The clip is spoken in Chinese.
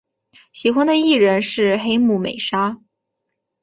喜欢的艺人是黑木美纱。